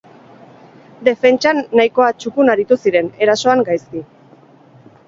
Defentsan nahikoa txukun aritu ziren, erasoan gaizki.